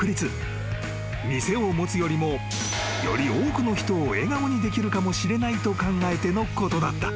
［店を持つよりもより多くの人を笑顔にできるかもしれないと考えてのことだった］